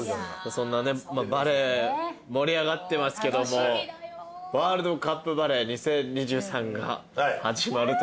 そんなねバレー盛り上がってますけどもワールドカップバレー２０２３が始まるということで。